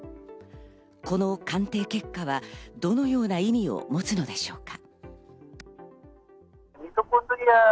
この鑑定結果はどのような意味を持つのでしょうか？